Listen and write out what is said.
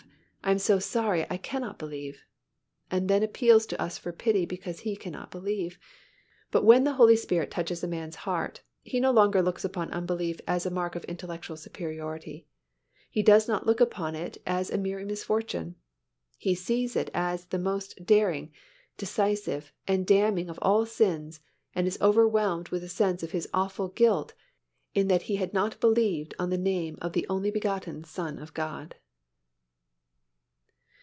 I am so sorry I cannot believe," and then appeals to us for pity because he cannot believe, but when the Holy Spirit touches a man's heart, he no longer looks upon unbelief as a mark of intellectual superiority; he does not look upon it as a mere misfortune; he sees it as the most daring, decisive and damning of all sins and is overwhelmed with a sense of his awful guilt in that he had not believed on the name of the only begotten Son of God.